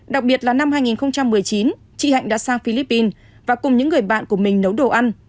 đặc biệt là năm hai nghìn một mươi chín chị hạnh đã sang philippines và cùng những người bạn của mình nấu đồ ăn